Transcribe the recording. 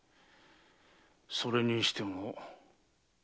それにしても。